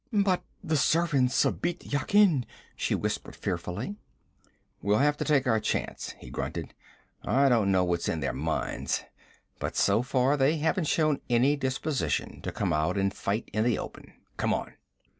'But the servants of Bît Yakin!' she whispered fearfully. 'We'll have to take our chance,' he grunted. 'I don't know what's in their minds, but so far they haven't shown any disposition to come out and fight in the open. Come on.'